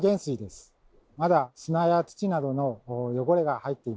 まだ砂や土などの汚れが入っています。